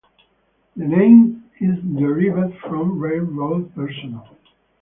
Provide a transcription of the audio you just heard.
The name is derived from railroad personnel.